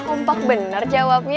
umpak bener jawabnya